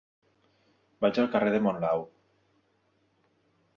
Vaig al carrer de Monlau.